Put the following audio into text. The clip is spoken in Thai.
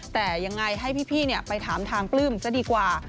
แต่ยังไงให้พี่ไปถามทางปลื้มจะดีกว่า